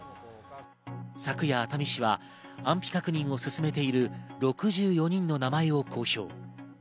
昨夜、熱海市は安否確認を進めている６４人の名前を公表。